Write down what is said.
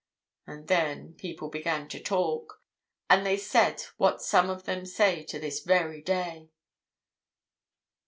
And then people began to talk, and they said what some of them say to this very day!"